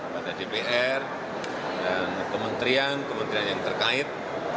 pada dpr dan kementerian kementerian yang terkait